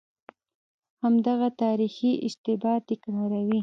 همدغه تاریخي اشتباه تکراروي.